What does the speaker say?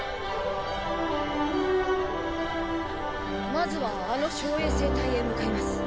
まずはあの小衛星帯へ向かいます。